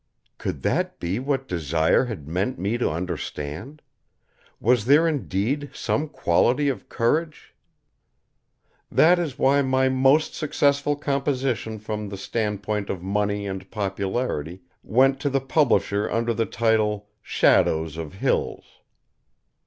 Could that be what Desire had meant me to understand? Was there indeed some quality of courage ? That is why my most successful composition from the standpoint of money and popularity went to the publisher under the title, "Shadows of Hills."